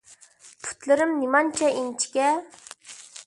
پۇتلىرىم نېمانچە ئىنچىكە؟!